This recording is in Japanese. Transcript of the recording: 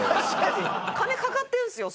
金かかってんすよそれ。